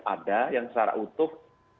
ada yang secara utuh